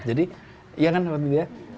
jadi iya kan seperti dia